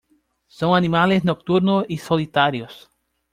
Son animales nocturnos y solitarios.